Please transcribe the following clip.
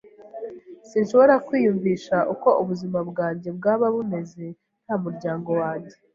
Sinshobora kwiyumvisha uko ubuzima bwanjye bwaba bumeze nta muryango wanjye.